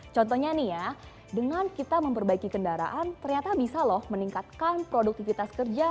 contohnya nih ya dengan kita memperbaiki kendaraan ternyata bisa loh meningkatkan produktivitas kerja